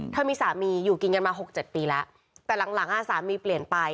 เธอมีสามีอยู่กินกันมา๖๗ปีแล้วแต่หลังหลังสามีเปลี่ยนไป